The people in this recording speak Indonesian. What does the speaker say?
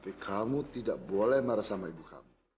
ibu kamu gak bersalah